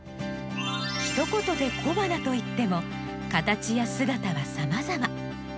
ひと言で小花といっても形や姿はさまざま。